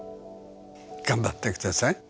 頑張ってください！